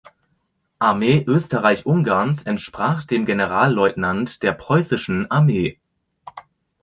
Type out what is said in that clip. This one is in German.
Armee Österreich-Ungarns entsprach dem Generalleutnant der Preußischen Armee.